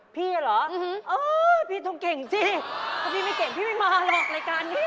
พี่เหรอเออพี่ต้องเก่งสิถ้าพี่ไม่เก่งพี่ไม่มาหรอกรายการนี้